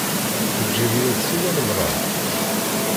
Teǧǧiḍ-iyi-d siwa lemṛaṛ.